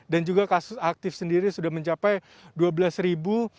dan juga kasus aktif sendiri sudah mencapai dua belas ribu